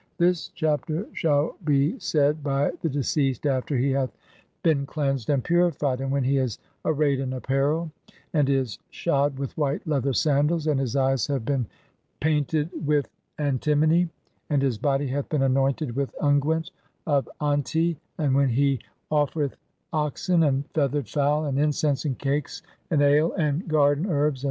THIS CHAPTER SHALL BR SAID [BY THE DECEASED] AFTER HE HATH BEEN CLEANSED AND PURIFIED, AND WHEN HE IS ARRAYED IN APPAREL, (47) AND IS SHOD WITH WHITE LEATHER SANDALS, AND HIS EYES HAVE BEEN PAINTED WITH ANTIMONY, AND [HIS BODY] HATH BEEN ANOINTED WITH UNGUENT OF AST], AND WHEN HE OFFERETH OXEN, AND FEATHERED FOWL, AND INCENSE, AND CAKES, AND ALE, AND (48) GARDEN HERBS.